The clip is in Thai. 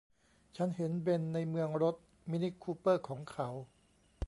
ฉันเห็นเบ็นในเมืองรถ มินิคูเปอร์ของเขา